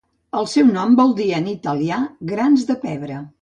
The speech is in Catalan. El seu nom vol dir en italià "grans de pebre".